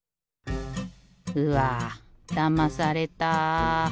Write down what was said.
うわだまされた。